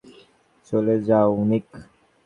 চলে যাও, নিক!